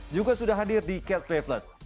juga sudah hadir di catch play plus